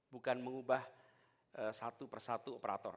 bukan mengubah satu persatu operator